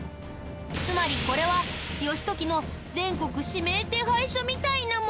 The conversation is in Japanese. つまりこれは義時の全国指名手配書みたいなもの。